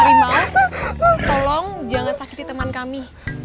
terima tolong jangan sakiti teman kami